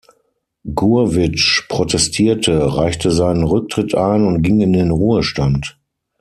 Gurwitsch protestierte, reichte seinen Rücktritt ein und ging in den Ruhestand.